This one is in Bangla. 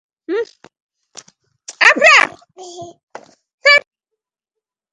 এমন কিছু কি আছে যা আপনি পারেন না?